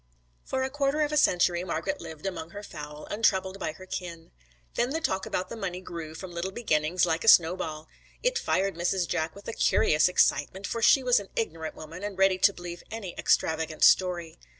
For a quarter of a century Margret lived among her fowl, untroubled by her kin. Then the talk about the money grew from little beginnings like a snowball. It fired Mrs. Jack with a curious excitement, for she was an ignorant woman and ready to believe any extravagant story.